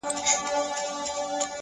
پر دغه روح خو الله اکبر نه دی په کار’